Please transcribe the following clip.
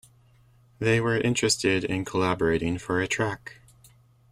They were interested in collaborating for a track.